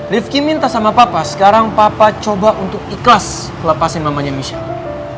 rifki minta sama papa sekarang papa coba untuk ikhlas lepasin mamanya michelle